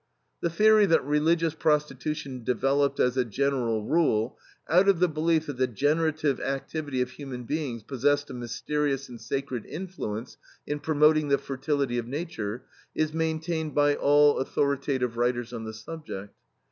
"The theory that religious prostitution developed, as a general rule, out of the belief that the generative activity of human beings possessed a mysterious and sacred influence in promoting the fertility of Nature, is maintained by all authoritative writers on the subject.